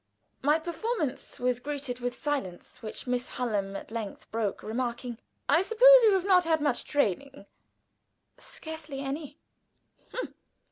My performance was greeted with silence, which Miss Hallam at length broke, remarking: "I suppose you have not had much training?" "Scarcely any."